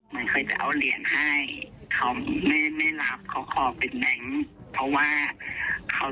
มันเคยจะเอาเหรียญให้เขาไม่ไม่รับเขาขอเป็นแบงค์เพราะว่าเขา